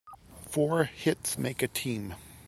Four hits make a team.